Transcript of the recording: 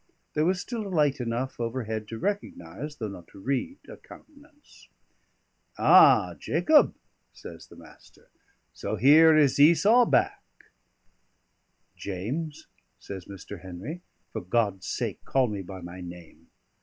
There was still light enough overhead to recognise, though not to read, a countenance. "Ah! Jacob," says the Master. "So here is Esau back." "James," says Mr. Henry, "for God's sake, call me by my name.